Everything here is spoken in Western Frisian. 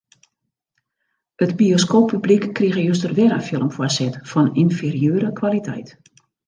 It bioskooppublyk krige juster wer in film foarset fan ynferieure kwaliteit.